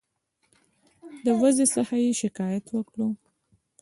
د وضع څخه یې شکایت وکړ.